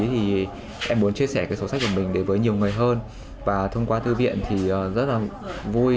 thì em muốn chia sẻ cái sổ sách của mình đến với nhiều người hơn và thông qua thư viện thì rất là vui